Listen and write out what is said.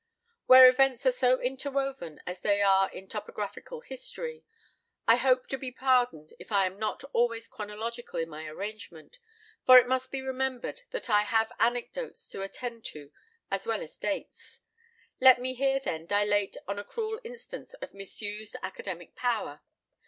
Where events are so interwoven as they are in topographical history, I hope to be pardoned if I am not always chronological in my arrangement, for it must be remembered that I have anecdotes to attend to as well as dates. Let me here, then, dilate on a cruel instance of misused academic power.